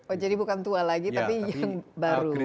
oh jadi bukan tua lagi tapi yang baru